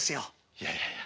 いやいやいや。